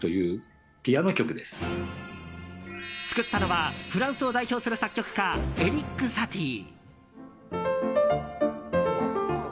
作ったのはフランスを代表する作曲家、エリック・サティ。